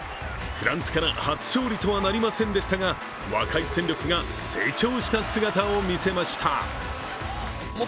フランスから初勝利とはなりませんでしたが若い戦力が成長した姿を見せました。